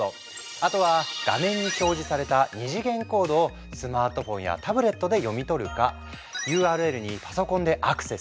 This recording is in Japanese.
あとは画面に表示された二次元コードをスマートフォンやタブレットで読み取るかＵＲＬにパソコンでアクセス！